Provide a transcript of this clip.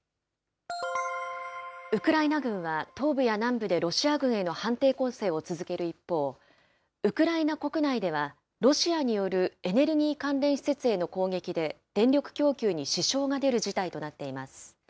ウクライナ軍は、東部や南部でロシア軍への反転攻勢を続ける一方、ウクライナ国内では、ロシアによるエネルギー関連施設への攻撃で、電力供給に支障が出る事態となっています。